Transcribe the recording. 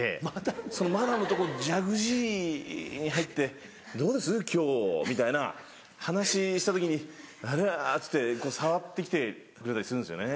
マダムとジャグジーに入って「どうです？今日」みたいな話した時に「あら」っつって触って来てくれたりするんですよね。